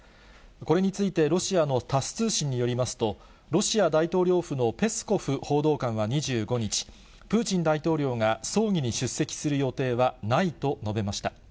これについてロシアのタス通信によりますと、ロシア大統領府のペスコフ報道官は２５日、プーチン大統領が葬儀に出席する予定はないと述べました。